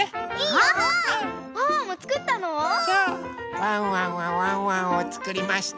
ワンワンはワンワンをつくりました。